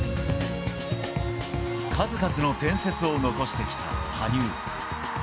数々の伝説を残してきた羽生。